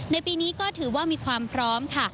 ในปีนี้ก็ถือว่ามีความพร้อมค่ะ